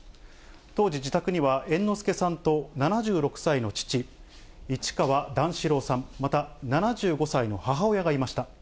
当時、自宅には猿之助さんと、７６歳の父、市川段四郎さん、また、７５歳の母親がいました。